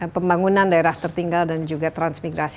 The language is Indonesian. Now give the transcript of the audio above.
pembangunan daerah tertinggal dan juga transmigrasi